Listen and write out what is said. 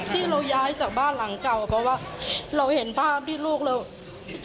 ที่เราย้ายจากบ้านหลังเก่าเพราะว่าเราเห็นภาพที่ลูกเรา